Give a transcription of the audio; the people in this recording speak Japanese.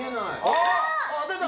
あっ出た！